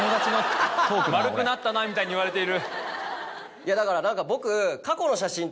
いやだから何か僕。